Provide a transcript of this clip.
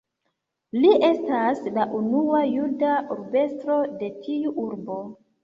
Li estas la unua juda urbestro de tiu urbo.